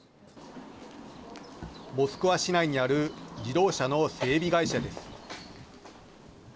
モスクワ市内にある自動車の整備会社です。